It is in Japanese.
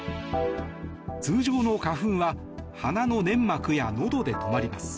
通常の花粉は鼻の粘膜や、のどで止まります。